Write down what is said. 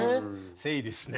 セイですね。